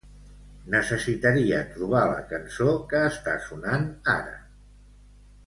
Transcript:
Necessitaria trobar la cançó que està sonant ara.